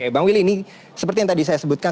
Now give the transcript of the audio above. bang willy ini seperti yang tadi saya sebutkan